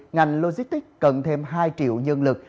ngành logistics cần thêm hai triệu nhân lực